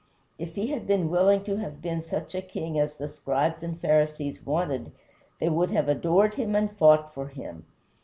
If he had been willing to have been such a king as the Scribes and Pharisees wanted they would have adored him and fought for him.